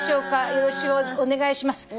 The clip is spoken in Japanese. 「よろしくお願いします」